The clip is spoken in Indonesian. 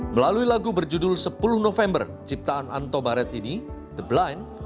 melalui lagu berjudul sepuluh november ciptaan anto baret ini the blind